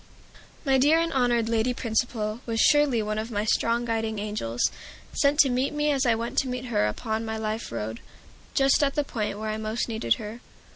My dear and honored Lady Principal was surely one of my strong guiding angels, sent to meet me as I went to meet her upon my life road, just at the point where I most needed her.